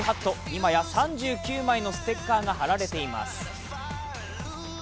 今や３９枚のステッカーが貼られています。